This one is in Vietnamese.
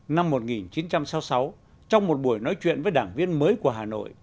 năm một nghìn chín trăm sáu mươi sáu trong một buổi nói chuyện với đảng viên mới của hà nội